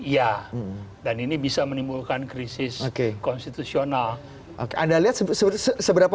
ia dan ini bisa menimbulkan krisis oke konstitusional ada lihat sebetulnya seberapa